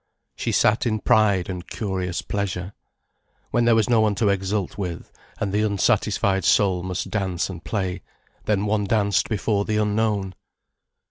She sat in pride and curious pleasure. When there was no one to exult with, and the unsatisfied soul must dance and play, then one danced before the Unknown.